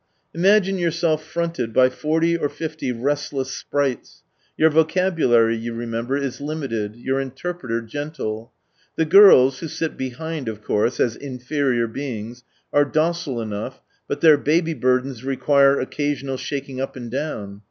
Imagine yourself fronted by forty or fifty restless sprites: your vocabulary, you remember, is limited, your interpreter gentle. The girls who sit behind of course, as inferior beings, are docile enough, but their baby burdens require occasional shaking up and down.